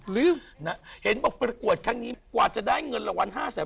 ลืมนะเห็นบอกประกวดครั้งนี้กว่าจะได้เงินรางวัล๕แสน